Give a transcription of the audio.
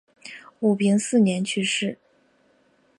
武平四年去世。